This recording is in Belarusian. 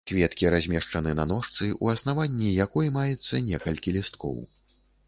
Кветкі размешчаны на ножцы, у аснаванні якой маецца некалькі лісткоў.